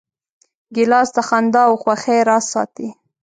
ګیلاس د خندا او خوښۍ راز ساتي.